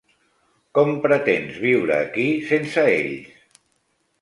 Com pretens viure aquí sense ells?